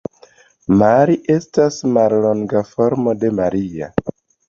Mari estas mallonga formo de Maria.